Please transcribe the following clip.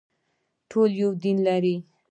ټول یو دین لري